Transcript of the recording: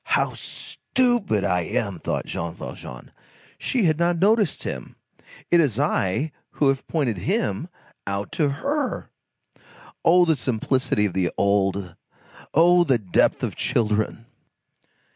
"How stupid I am!" thought Jean Valjean. "She had not noticed him. It is I who have pointed him out to her." Oh, simplicity of the old! oh, the depth of children!